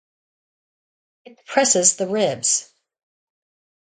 It depresses the ribs.